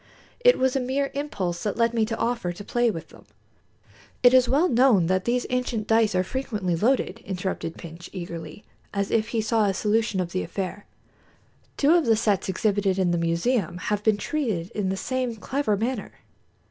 It was a mere impulse that led me to offer to play with them." "It is well known that these ancient dice are frequently loaded," interrupted Pintsch, eagerly, as if he saw a solution of the affair. "Two of the sets exhibited in the museum have been treated in the same clever manner."